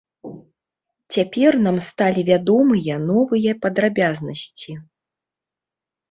Цяпер нам сталі вядомыя новыя падрабязнасці.